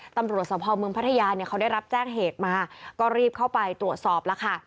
ตำรวจสภเมืองพัทยาเนี่ยเขาได้รับแจ้งเหตุมาก็รีบเข้าไปตรวจสอบแล้วค่ะ